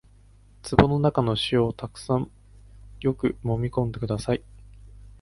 壺の中の塩をたくさんよくもみ込んでください